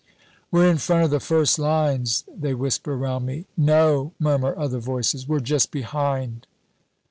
"We're in front of the first lines," they whisper round me. "No." murmur other voices, "we're just behind."